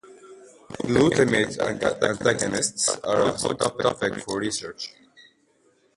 Glutamate antagonists are a hot topic of research.